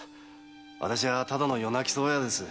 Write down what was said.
私はただの夜鳴き蕎麦屋です。